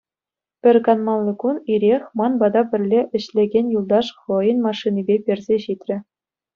Пӗр канмалли кун ирех ман пата пӗрле ӗҫлекен юлташ хӑйӗн машинипе персе ҫитрӗ.